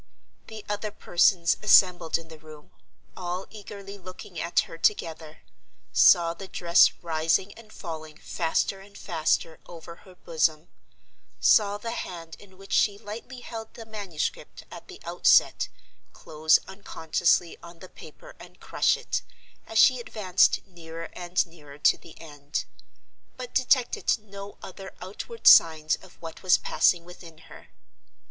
The other persons assembled in the room, all eagerly looking at her together, saw the dress rising and falling faster and faster over her bosom—saw the hand in which she lightly held the manuscript at the outset close unconsciously on the paper and crush it, as she advanced nearer and nearer to the end—but detected no other outward signs of what was passing within her.